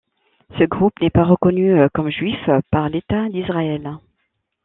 Ce groupe n'est pas reconnu comme Juif par l'état d'Israël.